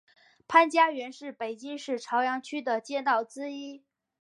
潘家园是北京市朝阳区的街道之一。